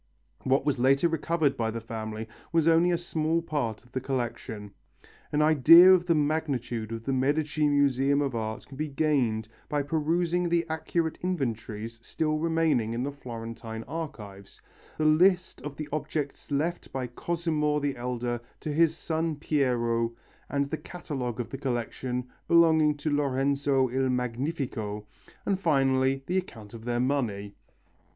What was later recovered by the family was only a small part of the collection. An idea of the magnitude of the Medici museum of art can be gained by perusing the accurate inventories still remaining in the Florentine archives, the list of the objects left by Cosimo the Elder to his son Piero and the catalogue of the collection belonging to Lorenzo il Magnifico, and finally the account of their money.